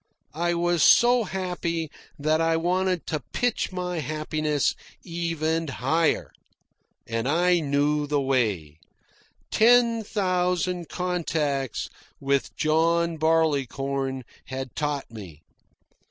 I was so happy that I wanted to pitch my happiness even higher. And I knew the way. Ten thousand contacts with John Barleycorn had taught me.